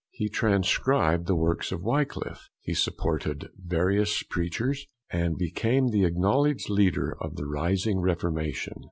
He transcribed the works of Wickliffe; he supported various preachers, and became the acknowledged leader of the rising reformation.